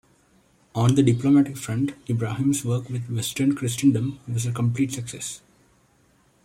On the diplomatic front, Ibrahim's work with Western Christendom was a complete success.